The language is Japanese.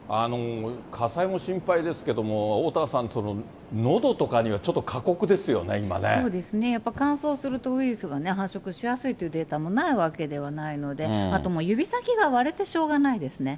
火災も心配ですけれども、おおたわさん、のどとかには、ちょそうですね、乾燥するとウイルスがね、繁殖しやすいというデータもないわけではないので、あともう、指先が割れてしょうがないですね。